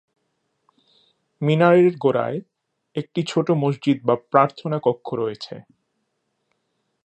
মিনারের গোড়ায় একটি ছোট মসজিদ বা প্রার্থনা কক্ষ রয়েছে।